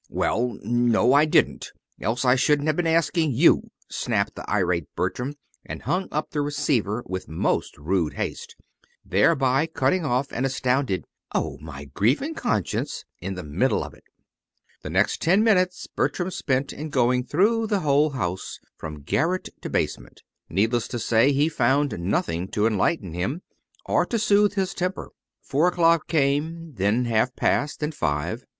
"Well, no, I didn't else I shouldn't have been asking you," snapped the irate Bertram and hung up the receiver with most rude haste, thereby cutting off an astounded "Oh, my grief and conscience!" in the middle of it. The next ten minutes Bertram spent in going through the whole house, from garret to basement. Needless to say, he found nothing to enlighten him, or to soothe his temper. Four o'clock came, then half past, and five.